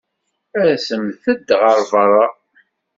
Asemt-d ɣer beṛṛa.